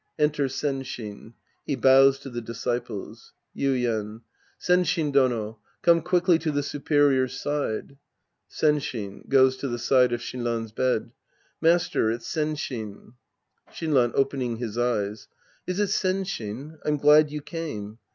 {Enter Senshin. He bows to the disciples^ Yuien. Senshin Dono, come quickly to the superior's side. Senshin {goes to the side of Shinran's bed). Master, it's Senshin. Shinran {opening his eyes). Is it Sensliin? I'm glad you came.